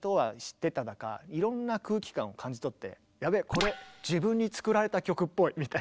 恐らく「やべこれ自分に作られた曲っぽい」みたいな。